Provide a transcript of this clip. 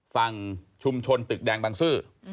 ฝั่งชุมชนตึกแดงบางซื่อ